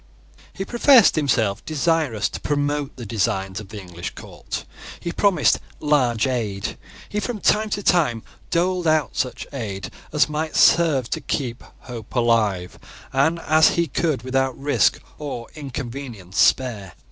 He professed himself desirous to promote the designs of the English court. He promised large aid. He from time to time doled out such aid as might serve to keep hope alive, and as he could without risk or inconvenience spare.